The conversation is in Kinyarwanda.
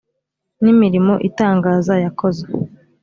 n imirimo itangaza yakoze